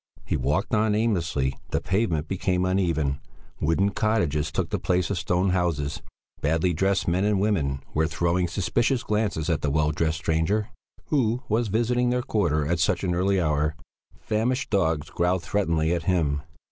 He walked on aimlessly; the pavement became uneven; wooden cottages took the place of the stone houses; badly dressed men and women were throwing suspicious glances at the well dressed stranger who was visiting their quarter at such an early hour; famished dogs growled threateningly at him.